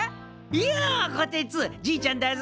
ようこてつじいちゃんだぞ。